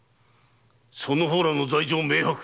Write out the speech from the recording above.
その方らの罪状明白。